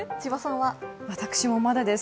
私も、まだです。